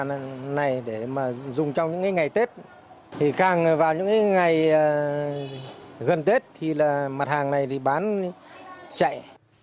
cái món quà này để mà dùng trong những ngày tết thì càng vào những ngày gần tết thì là mặt hàng này thì bán chạy